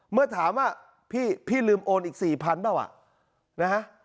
เมื่อถามว่าพี่พี่ลืมโอนอีก๔๐๐๐บาทเปล่าอ่ะนะฮะ